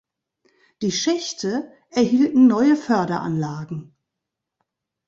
Die Schächte erhielten neue Förderanlagen.